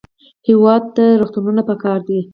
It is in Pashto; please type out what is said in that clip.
هېواد ته روغتونونه پکار دي